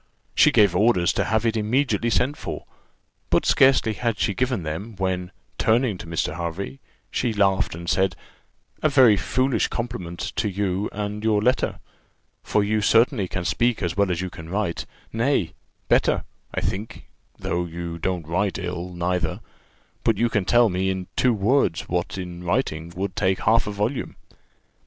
She gave orders to have it immediately sent for; but scarcely had she given them, when, turning to Mr. Hervey, she laughed and said, "A very foolish compliment to you and your letter, for you certainly can speak as well as you can write; nay, better, I think though you don't write ill, neither but you can tell me, in two words, what in writing would take half a volume.